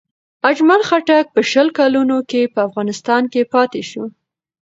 اجمل خټک په شل کلونو کې په افغانستان کې پاتې شو.